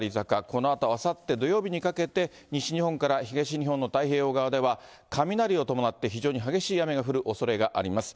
このあとあさって土曜日にかけて、西日本から東日本の太平洋側では、雷を伴って非常に激しい雨が降るおそれがあります。